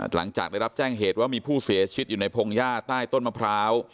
หลังจากได้รับแจ้งเหตุว่ามีผู้เสียชีวิตอยู่ในพงหญ้าใต้ต้นมะพร้าว